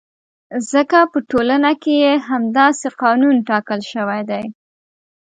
ځکه په ټولنه کې یې همداسې قانون ټاکل شوی دی.